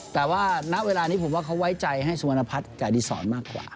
แต่ว่าณเวลานี้ผมว่าเขาไว้ใจให้สุวรรณพัฒน์กับอดีศรมากกว่า